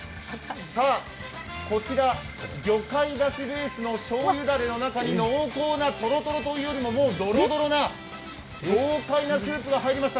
こちら、魚介だしベースの醤油だれの中に濃厚というよりももうドロドロな豪快なスープが入りました。